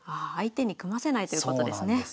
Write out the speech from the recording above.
相手に組ませないということですね。